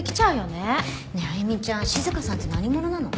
ねえ歩ちゃん静さんって何者なの？